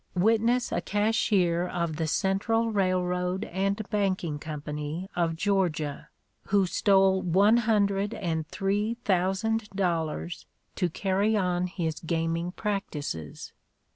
Witness a cashier of the Central Railroad and Banking Company of Georgia, who stole one hundred and three thousand dollars to carry on his gaming practices.